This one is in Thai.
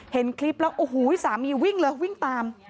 เห็นคลิปแล้วโอ้โหสามีวิ่งเลยวิ่งตาม